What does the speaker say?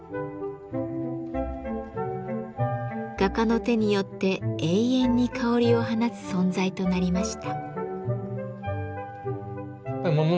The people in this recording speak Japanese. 画家の手によって永遠に香りを放つ存在となりました。